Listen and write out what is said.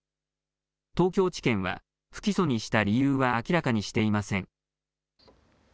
東京地検は不起訴にした理由は明らかにしていません。